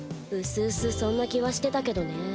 うすうすそんな気はしてたけどね。